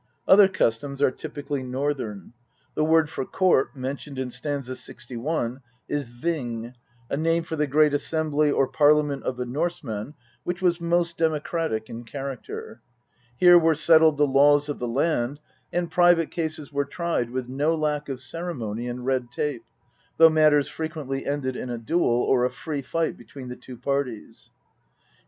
Other customs are typically Northern. The word for court mentioned in st. 61 is \>ing, a name for the great assembly or parliament of the Norsemen, which was most democratic in character. Here were settled the laws of the land, and private cases were tried with no lack of ceremony and red tape, though matters frequently ended in a duel or a free fight between the two parties. In st.